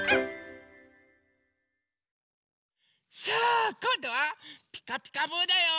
さあこんどは「ピカピカブ！」だよ。